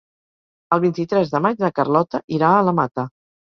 El vint-i-tres de maig na Carlota irà a la Mata.